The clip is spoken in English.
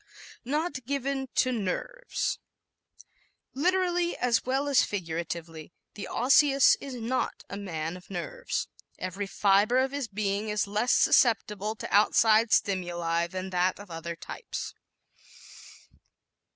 Not Given to "Nerves" ¶ Literally as well as figuratively the Osseous is not a man of "nerves." Every fiber of his being is less susceptible to outside stimuli than that of other types.